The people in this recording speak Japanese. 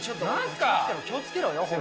気をつけろよ。